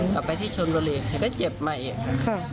กลับไปที่ชนโดรีก็เจ็บมาอีก